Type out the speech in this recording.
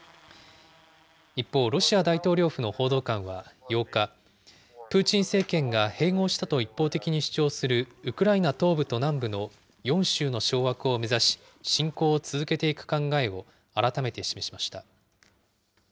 一方、ロシア大統領府の報道官は８日、プーチン政権が併合したと一方的に主張するウクライナ東部と南部の４州の掌握を目指し、侵攻を続けていく考えを改めて示しました。